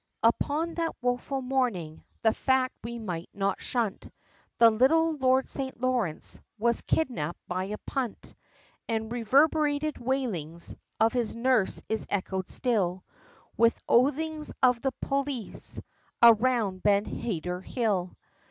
Upon that woeful morning, the fact we may not shunt, The little Lord St. Lawrence, was kidnapped by a punt, And reverbrated wailings, of his nurse is echoed still, With oathings of the polis, around Ben Heder hill!